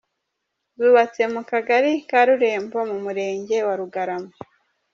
Zubatse mu Kagari ka Rurembo mu murenge wa Rugarama.